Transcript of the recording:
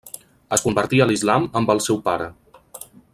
Es convertí a l'islam amb el seu pare.